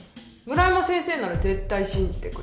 村山先生なら絶対信じてくれた。